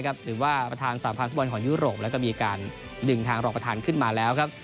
ถือว่าประธานสาพันธ์ฟุตบอลของยุโรปแล้วก็มีการดึงทางรองประธานขึ้นมาแล้วครับ